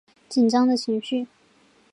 紧张的情绪